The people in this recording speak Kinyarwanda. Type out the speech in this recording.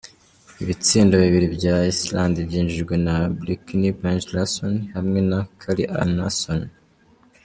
Ibitsindo bibiri vya Islande vyinjijwe na Birkir Bjarnason hamwe na Kari Arnason.